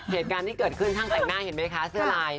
เหตุการณ์ที่เกิดขึ้นช่างแต่งหน้าเห็นไหมคะเสื้อลาย